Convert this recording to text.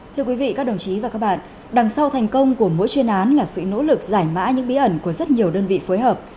thưa quý vị các đồng chí và các bạn đằng sau thành công của mỗi chuyên án là sự nỗ lực giải mã những bí ẩn của rất nhiều đơn vị phối hợp